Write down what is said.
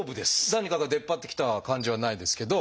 何かが出っ張ってきた感じはないですけど。